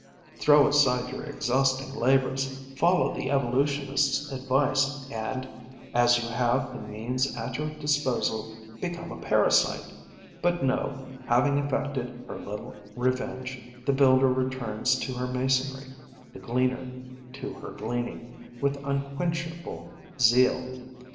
Throw aside your exhausting labours, follow the evolutionists' advice and, as you have the means at your disposal, become a parasite! But no, having effected her little revenge, the builder returns to her masonry, the gleaner to her gleaning, with unquenchable zeal.